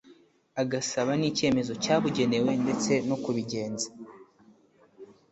agasaba n icyemezo cyabugenewe ndetse no kubigenza